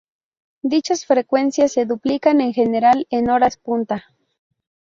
Dichas frecuencias se duplican en general en horas punta.